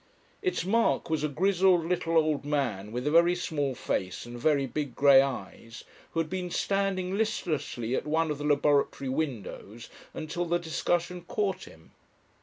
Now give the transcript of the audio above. Its mark was a grizzled little old man with a very small face and very big grey eyes, who had been standing listlessly at one of the laboratory windows until the discussion caught him.